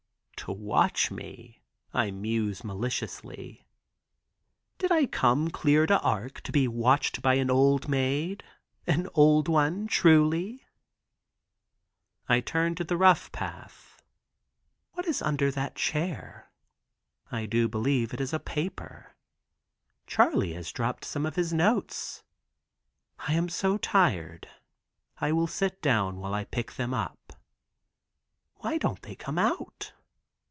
"To watch me!" I muse maliciously. "Did I come, clear to Arc to be watched by an old maid, an old one truly?" I turn to the rough path. What is that under that chair? I do believe it is a paper. Charley has dropped some of his notes. I am so tired. I will sit down while I pick them up. Why don't they come out?